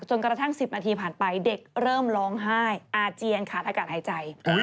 กระทั่ง๑๐นาทีผ่านไปเด็กเริ่มร้องไห้อาเจียนขาดอากาศหายใจ